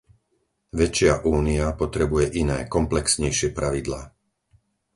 Väčšia Únia potrebuje iné, komplexnejšie pravidlá.